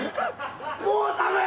もう寒い！